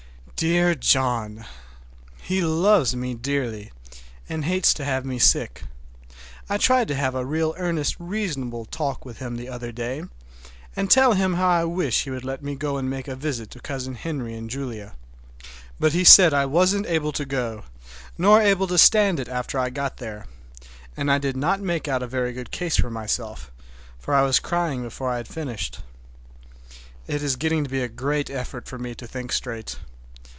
Dear John! He loves me very dearly, and hates to have me sick. I tried to have a real earnest reasonable talk with him the other day, and tell him how I wish he would let me go and make a visit to Cousin Henry and Julia. But he said I wasn't able to go, nor able to stand it after I got there; and I did not make out a very good case for myself, for I was crying before I had finished. It is getting to be a great effort for me to think straight.